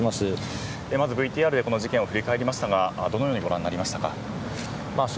まずＶＴＲでこの事件を振り返りましたがどのようにご覧になりましたか？